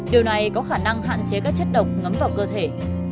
điều này có khả năng hạn chế các chất độc ngấm vào cơ thể